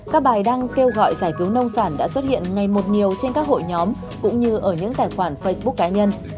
các bài đăng kêu gọi giải cứu nông sản đã xuất hiện ngày một nhiều trên các hội nhóm cũng như ở những tài khoản facebook cá nhân